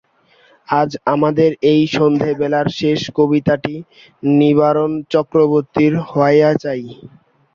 আজ আমাদের এই সন্ধেবেলাকার শেষ কবিতাটি নিবারণ চক্রবর্তীর হওয়াই চাই।